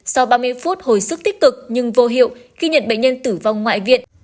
sau ba mươi phút hồi sức tích cực nhưng vô hiệu khi nhận bệnh nhân tử vong ngoại viện